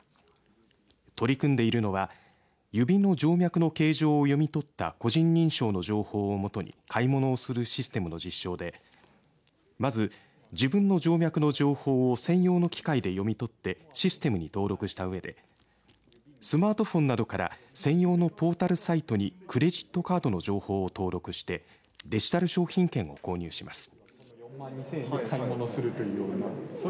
取り組んでいるのは指の静脈の形状を読み取った個人認証の情報をもとに買い物をするシステムの実証でまず、自分の静脈の情報を専用の機械で読み取ってシステムに登録したうえでスマートフォンなどから専用のポータルサイトにクレジットカードの情報を登録してデジタル商品券を購入します。